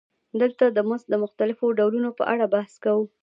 دلته د مزد د مختلفو ډولونو په اړه بحث کوو